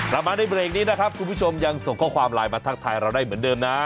กลับมาในเบรกนี้นะครับคุณผู้ชมยังส่งข้อความไลน์มาทักทายเราได้เหมือนเดิมนะ